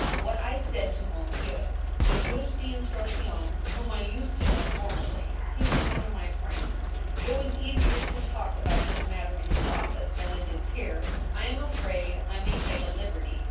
what I said to monsieur, they*^^ d' instruction, whom I used to know former ly ; he was one of my friends. It was easier to talk about this matter in his office, ... than it is here. I am afraid I may take a liberty